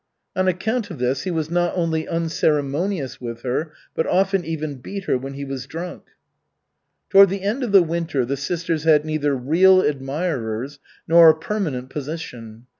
On account of this, he was not only unceremonious with her, but often even beat her when he was drunk. Toward the end of the winter the sisters had neither "real" admirers nor a "permanent position."